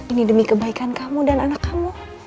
ini demi kebaikan kamu dan anak kamu